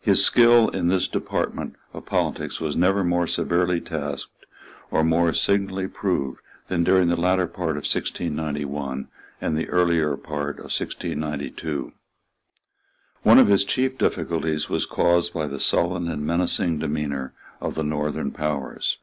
His skill in this department of politics was never more severely tasked or more signally proved than during the latter part of 1691 and the earlier part of 1692. One of his chief difficulties was caused by the sullen and menacing demeanour of the Northern powers.